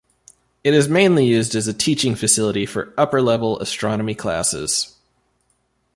It is used mainly as a teaching facility for upper-level astronomy classes.